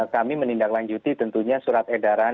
kami menindaklanjuti tentunya surat edaran